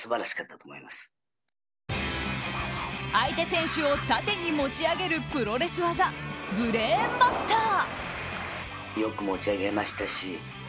相手選手を縦に持ち上げるプロレス技、ブレーンバスター。